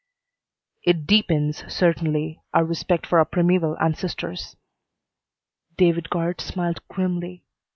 "It deepens, certainly, our respect for our primeval ancestors." David Guard smiled grimly.